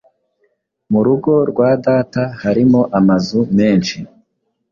Mu rugo rwa Data harimo amazu menshi